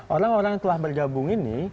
orang orang yang telah bergabung ini